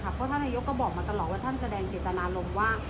เพราะท่านนายกก็บอกมาตลอดว่าท่านแสดงเจตนารมณ์ว่า